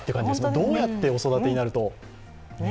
どうやってお育てになるとね。